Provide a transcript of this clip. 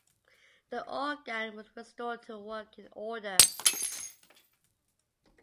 The organ was restored to working order.